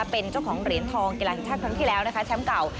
เป็นเจ้าของเหรียญทองกีฬาแห่งชาติครั้งที่แล้วนะคะแชมป์เก่า